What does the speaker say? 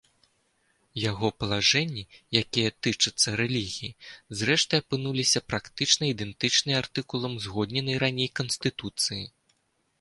Яго палажэнні, якія тычацца рэлігіі, зрэшты, апынуліся практычна ідэнтычныя артыкулам узгодненай раней канстытуцыі.